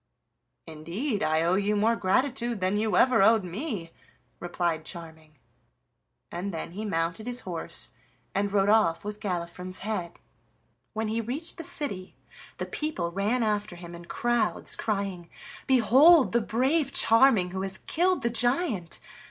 "Indeed, I owe you more gratitude than you ever owed me," replied Charming. And then he mounted his horse and rode off with Galifron's head. When he reached the city the people ran after him in crowds, crying: "Behold the brave Charming, who has killed the giant!"